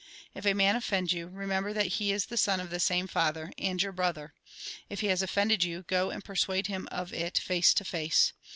" If a man offend you, remember that he is the son of the same Father, and your brother. If he has offended you, go and persuade him of it face to face.